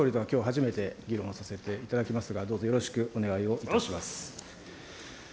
総理とはきょう初めて議論させていただきますが、どうぞよろしくお願いをいたします。